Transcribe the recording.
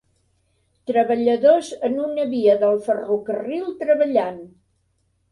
Treballadors en una via del ferrocarril treballant